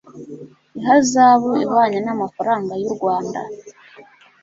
ihazabu ihwanye n amafaranga y u rwanda